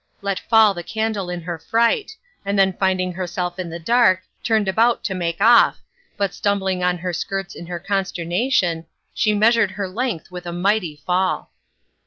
let fall the candle in her fright, and then finding herself in the dark, turned about to make off, but stumbling on her skirts in her consternation, she measured her length with a mighty fall.